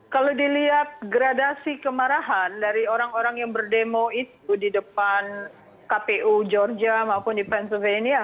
kalau dilihat gradasi kemarahan dari orang orang yang berdemo itu di depan kpu georgia maupun di fanslvania